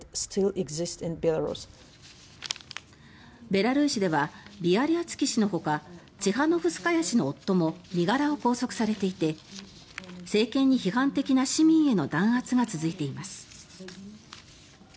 ベラルーシではビアリアツキ氏のほかチハノフスカヤ氏の夫も身柄を拘束されていて政権に批判的な市民への弾圧が続いています。